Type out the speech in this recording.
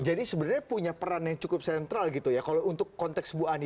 jadi sebenarnya punya peran yang cukup sentral gitu ya kalau untuk konteks ibu ani